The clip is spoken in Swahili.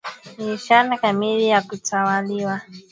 Ni ishara kamili ya kutawaliwa